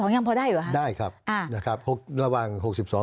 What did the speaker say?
๖๒ยังพอได้หรือคะได้ครับระหว่าง๖๒๗๒